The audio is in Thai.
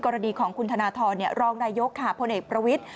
กรณีของคุณธนทรรองนายกพลเอกประวิทธิ